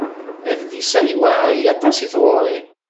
Adlis-a yewɛeṛ-iyi aṭas i tɣuri.